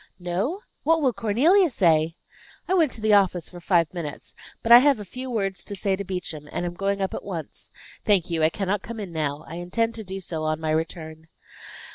"No! What will Cornelia say?" "I went to the office for five minutes. But I have a few words to say to Beauchamp, and am going up at once. Thank you, I cannot come in now; I intend to do so on my return."